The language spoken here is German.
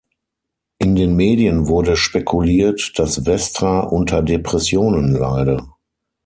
In den Medien wurde spekuliert, dass Westra unter Depressionen leide.